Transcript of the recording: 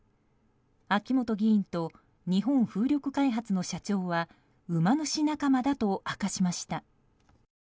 秋本議員と日本風力開発の社長は馬主仲間だと明かしました。